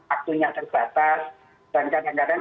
aktunya terbatas dan kadang kadang